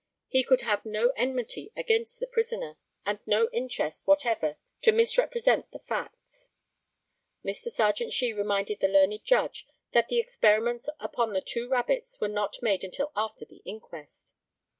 He could have no enmity against the prisoner, and no interest whatever to misrepresent the facts. [Mr. Serjeant SHEE reminded the learned Judge that the experiments upon the two rabbits were not made until after the inquest.